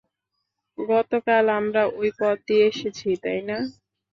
গতকাল আমরা ওই পথ দিয়ে এসেছি, তাই না?